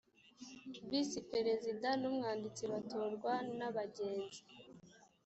visi perezida n umwanditsi batorwa na bagenzi